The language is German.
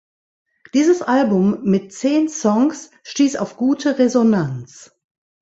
Dieses Album mit zehn Songs stieß auf gute Resonanz.